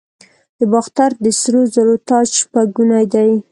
د باختر د سرو زرو تاج شپږ ګونی دی